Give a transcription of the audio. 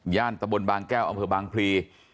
ตะบนบางแก้วอำเภอบางพลี